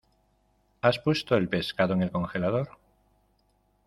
¿Has puesto el pescado en el congelador?